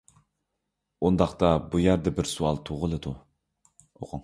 ئۇنداقتا بۇ يەردە بىر سوئال تۇغۇلىدۇ.